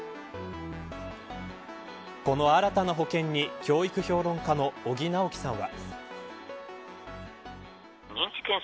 この新たな保険に教育評論家の尾木直樹さんは。